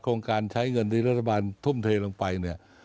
โครงการใช้เงินที่รัฐบาลทุ่มเทลงไปเนี่ย